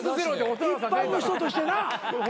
一般の人としてな。